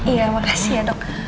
iya makasih ya dok